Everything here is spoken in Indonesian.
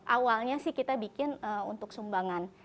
awalnya sih kita bikin untuk sumbangan